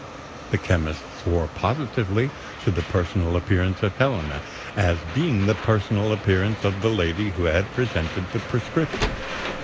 The chemist swore positively to the personal appearance of Helena, as being the personal appearance of the lady who had presented the prescription.